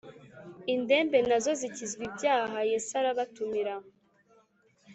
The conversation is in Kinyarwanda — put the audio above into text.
indembe, na zo zikizw’ ibyahayesarabatumira’